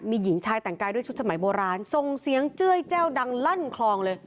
มีหญิงชายแต่งกายด้วยชุดสมัยโบราณส่งเสียงเจ้ยแจ้วดังลั่นคลองเลย